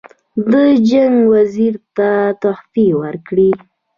د جنګ وزیر ته تحفې ورکړي.